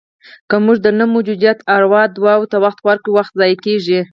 که موږ د نه موجودو ارواوو دعاوو ته وخت ورکړو، وخت ضایع کېږي.